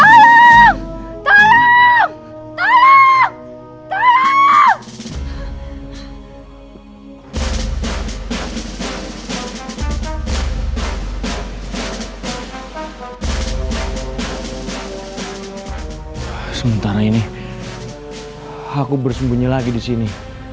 sementara ini aku bersembunyi lagi disini